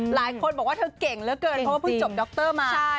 หลายคนบอกว่าเธอเก่งเหลือเกินเพราะว่าพูดจบด็อกเตอร์มา